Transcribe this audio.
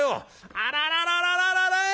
「あららららららい！